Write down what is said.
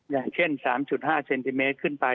อย่างเช่น๓๕เซนติเมตรขึ้นไป